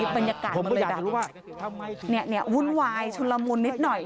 บรรยากาศมันเลยแบบว่าวุ่นวายชุนละมุนนิดหน่อย